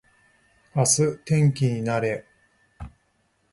明日天気になれー